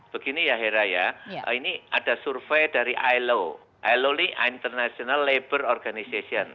begini ya hera ya ini ada survei dari ilo ilo ini international labour organization